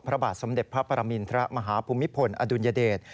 พระบาทสมเด็จพระปรมินทรมาฮภูมิพลอดุลยเดช